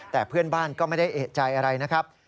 แต่เพื่อนบ้านก็ไม่ได้เอกใจอะไรนะครับ